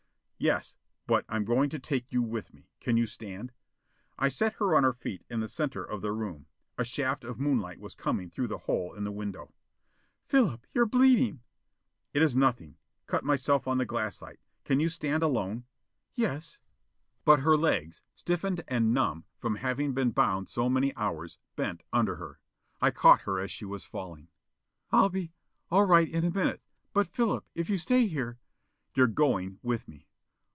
"Yes. But I'm going to take you with me. Can you stand up?" I set her on her feet in the center of the room. A shaft of moonlight was coming through the hole in the window. "Philip! You're bleeding!" "It is nothing. Cut myself on the glassite. Can you stand alone?" "Yes." But her legs, stiffened and numb from having been bound so many hours, bent under her. I caught her as she was falling. "I'll be all right in a minute. But Philip, if you stay here " "You're going with me!"